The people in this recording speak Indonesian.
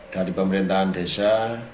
dari pemerintahan desa